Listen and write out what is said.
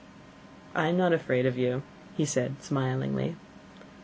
"I am not afraid of you," said he, smilingly.